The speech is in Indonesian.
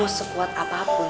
lo sekuat apapun